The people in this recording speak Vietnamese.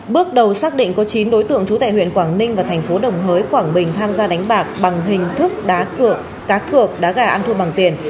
bước đầu xác định có chín đối tượng chú tẻ huyện quảng ninh và thành phố đồng hới quảng bình tham gia đánh bạc bằng hình thức cá cược đá gà ăn thu bằng tiền